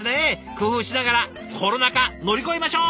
工夫しながらコロナ禍乗り越えましょう！